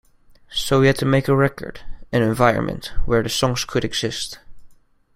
So we had to make a record, an environment where the songs could exist.